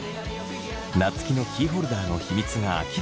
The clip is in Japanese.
夏樹のキーホルダーの秘密が明らかに。